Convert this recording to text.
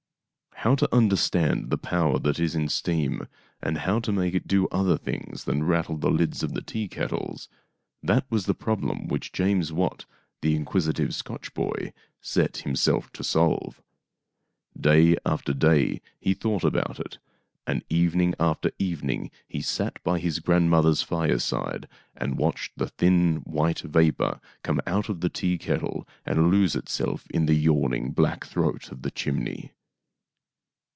How to understand the power that is in steam, and how to make it do other things than rattle the lids of teakettles — that was the problem which James Watt, the inquisitive Scotch boy, set himself to solve. Day after day he thought about it, and evening after evening he sat by his grandmother's fireside and watched the thin, white vapor come out of the teakettle and lose itself in the yawning black throat of the chimney.